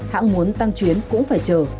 hãng muốn tăng chuyến cũng phải chờ